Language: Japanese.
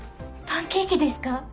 パンケーキですか？